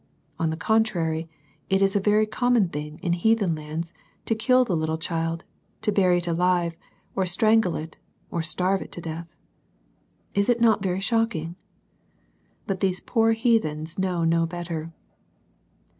On the contrary, it is a very common thing in heathen lands to kill the little child, to bury it alive, or strangle it, or starve it to death. Is it not very shocking ? But these poor heathens know no better.